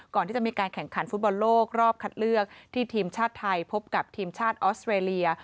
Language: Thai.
ก่อนที่จะมีการแข่งขันฟุตบอลโลกรอบคัดเลือกที่ทีมชาติไทยพบกับทีมชาติออสเตรเลีย